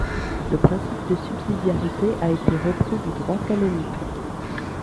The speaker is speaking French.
Le principe de subsidiarité a été repris du droit canonique.